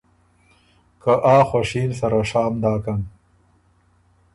که آ خوشي ن سره شام داکن“